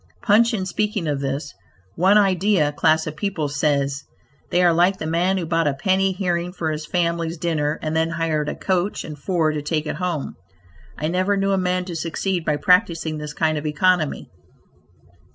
Punch in speaking of this "one idea" class of people says "they are like the man who bought a penny herring for his family's dinner and then hired a coach and four to take it home." I never knew a man to succeed by practising this kind of economy.